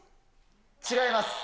違います。